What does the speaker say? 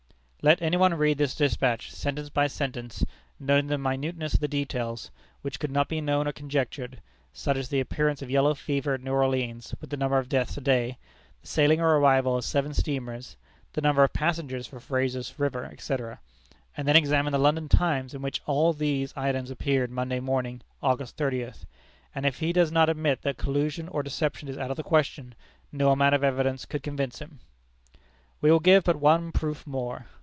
Let any one read this despatch, sentence by sentence, noting the minuteness of the details which could not be known or conjectured such as the appearance of yellow fever at New Orleans, with the number of deaths a day; the sailing or arrival of seven steamers; the number of passengers for Fraser's River, etc. and then examine the London Times, in which all these items appeared Monday morning, August thirtieth, and if he does not admit that collusion or deception is out of the question, no amount of evidence could convince him. We will give but one proof more.